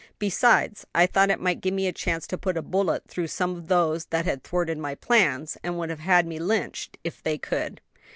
Besides, I thought it might give me a chance to put a bullet through some o' those that had thwarted my plans, and would have had me lynched, if they could."